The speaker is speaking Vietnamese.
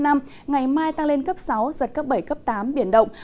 ngày mai tăng lên cấp sáu giật cấp bảy cấp tám biển động